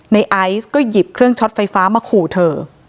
ไอซ์ก็หยิบเครื่องช็อตไฟฟ้ามาขู่เธอ